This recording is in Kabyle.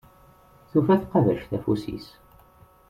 Tufa tqabact afus-is.